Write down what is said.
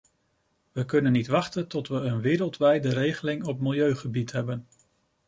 We kunnen niet wachten tot we een wereldwijde regeling op milieugebied hebben.